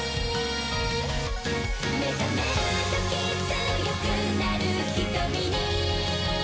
「目醒めるとき強くなる瞳に」